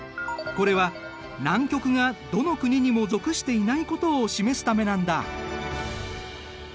これは南極がどの国にも属していないことを示すためなんだ。